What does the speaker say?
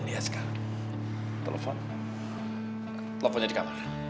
telefonnya di kamar